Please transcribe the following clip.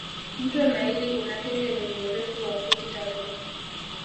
mto naili una kenge wenye urefu wa futi tatu